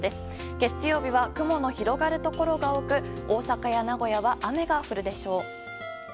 月曜日は雲の広がるところが多く大阪や名古屋は雨が降るでしょう。